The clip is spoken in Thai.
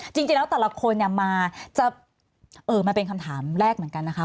จริงแล้วแต่ละคนเนี่ยมาเป็นคำถามแรกเหมือนกันนะคะ